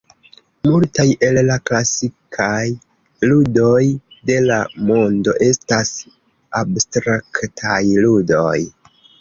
Multaj el la klasikaj ludoj de la mondo estas abstraktaj ludoj.